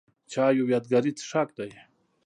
چای یو یادګاري څښاک دی.